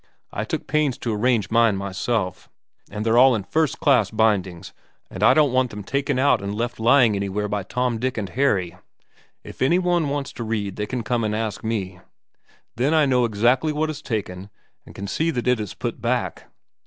I took pains to arrange mine myself, and they're all in first class bindings and I don't want them taken out and left lying anywhere by Tom, Dick, and Harry. If any one wants to read they can come and ask me. Then I know exactly what is taken, and can see that it is put back.'